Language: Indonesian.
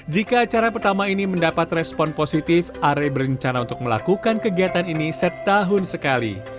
jika acara pertama ini mendapat respon positif are berencana untuk melakukan kegiatan ini setahun sekali